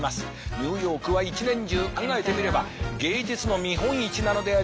ニューヨークは一年中考えてみれば芸術の見本市なのであります。